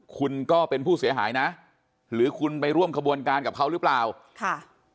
คุณก็เป็นผู้เสียหายนะหรือคุณไปร่วมขบวนการกับเขาหรือเปล่าค่ะ